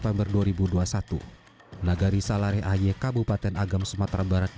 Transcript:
mengalami malnutrisi lesu dan hilang nafsu makan